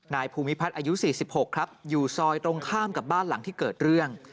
นายภูมิพัฒน์อายุ๔๖ครับอยู่ซอยตรงข้ามกับบ้านหลังที่เกิดเรื่อง